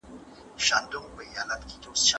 ازل یوازي زما قلم ته دی ستا نوم ښودلی